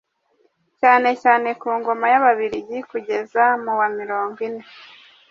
cyane cyane ku ngoma y'Ababiligi, kugeza mu wa mirongo ine.